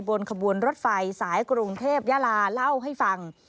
บนขบวนรถไฟสายกรุงเทพยาลาเล่าให้ฟัง